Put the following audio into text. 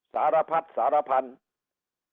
สารพัดสารพันธุ์